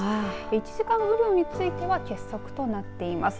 １時間雨量については欠測となっています。